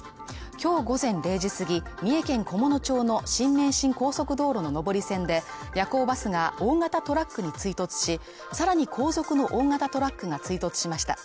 今日午前０時すぎ、三重県菰野町の新名神高速道路上り線で夜行バスが大型トラックに追突し、さらに後続の大型トラックが追突しました。